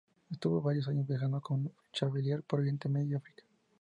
Estuvo varios años viajando con Chevalier por Oriente Medio y África.